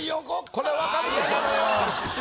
これ分かるでしょ。